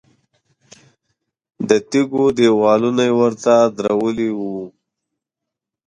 د تیږو دیوالونه یې ورته درولي وو.